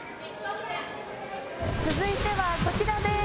続いてはこちらです！